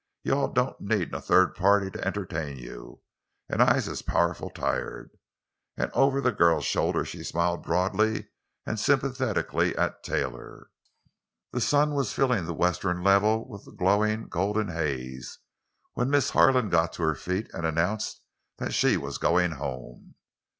"You all don't need no third party to entertain you. An' I's powerful tiahd." And over the girl's shoulder she smiled broadly and sympathetically at Taylor. The sun was filling the western level with a glowing, golden haze when Miss Harlan got to her feet and announced that she was going home.